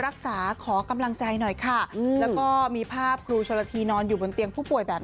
รักษาขอกำลังใจหน่อยค่ะแล้วก็มีภาพครูชนละทีนอนอยู่บนเตียงผู้ป่วยแบบ